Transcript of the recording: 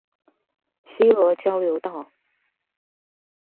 西螺交流道